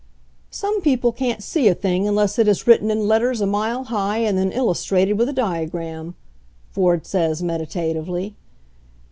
"Some people can't see a thing' unless it is writ ten in letters a mile high and then illustrated with a diagTam, ,, Ford says meditatively.